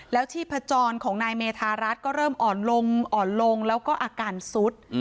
แล้วชีพจรของนายเมธารัฐก็เริ่มอ่อนลงอ่อนลงแล้วก็อาการซุด